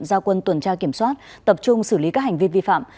giao quân tuần tra kiểm soát tập trung xử lý các hành vi vi phạm